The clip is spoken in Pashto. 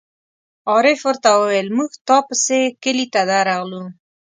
عارف ور ته وویل: مونږ تا پسې کلي ته درغلو.